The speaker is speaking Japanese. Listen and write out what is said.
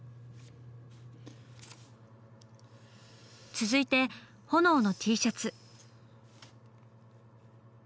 続いてホノオのＴシャツ。